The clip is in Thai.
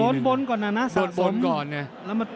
กะบนก่อนนะสะสม